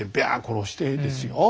殺してですよ